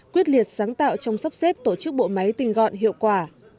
quyết liệt sáng tạo trong sắp xếp tổ chức bộ máy tinh gọn hiệu quả